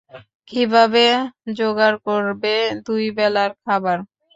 কিভাবে জোগাড় করবে দুই বেলার খাবার।